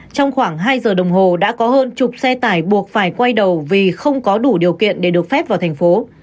trong khoảng hai giờ đồng hồ đã có hơn chục xe tải buộc phải quay đầu vì không có đủ điều kiện để được phép vào thành phố